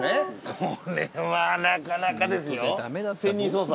これはなかなかですよ潜入捜査。